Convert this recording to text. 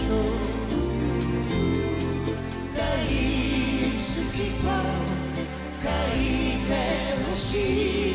「大好きと書いてほしい」